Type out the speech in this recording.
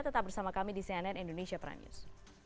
tetap bersama kami di cnn indonesia prime news